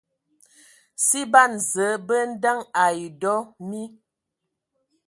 Si ban Zǝə bə andəŋ ai dɔ mi.